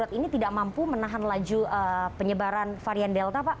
ini tidak mampu menahan laju penyebaran varian delta pak